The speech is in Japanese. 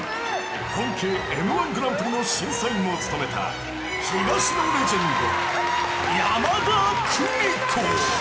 ［本家Ｍ−１グランプリの審査員も務めた東のレジェンド］